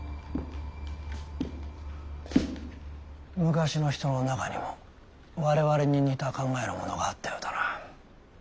昔の人の中にも我々に似た考えの者があったようだな。